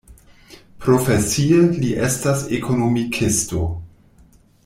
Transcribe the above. Profesie li estas ekonomikisto.